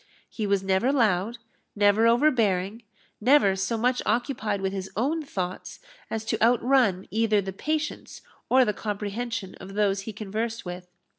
He was never loud, never overbearing, never so much occupied with his own thoughts as to outrun either the patience or the comprehension of those he conversed with.